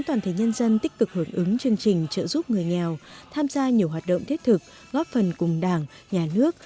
để nhân dân tích cực hợp ứng chương trình trợ giúp người nghèo tham gia nhiều hoạt động thiết thực góp phần cùng đảng nhà nước